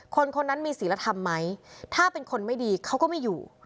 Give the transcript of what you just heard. คนคนนั้นมีศิลธรรมไหมถ้าเป็นคนไม่ดีเขาก็ไม่อยู่